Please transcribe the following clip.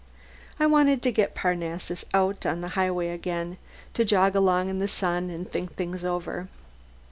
I wanted to get Parnassus out on the highway again, to jog along in the sun and think things over.